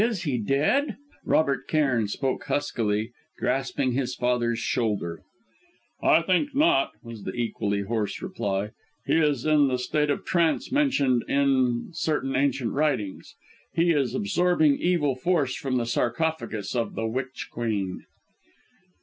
"Is he dead?" Robert Cairn spoke huskily, grasping his father's shoulder. "I think not," was the equally hoarse reply. "He is in the state of trance mentioned in certain ancient writings; he is absorbing evil force from the sarcophagus of the Witch Queen...."